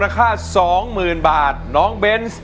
ค่าสองหมื่นบาทน้องเบนส์ร้อย